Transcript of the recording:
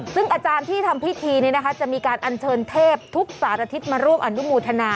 ซึ่งอาจารย์ที่ทำพิธีนี้นะคะจะมีการอัญเชิญเทพทุกสารทิศมาร่วมอนุโมทนา